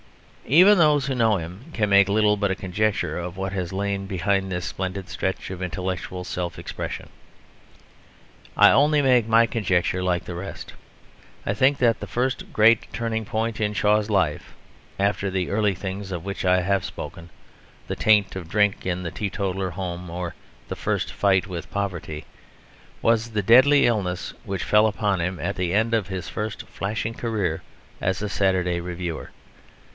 Even those who know him can make little but a conjecture of what has lain behind this splendid stretch of intellectual self expression; I only make my conjecture like the rest. I think that the first great turning point in Shaw's life (after the early things of which I have spoken, the taint of drink in the teetotal home, or the first fight with poverty) was the deadly illness which fell upon him, at the end of his first flashing career as a Saturday Reviewer.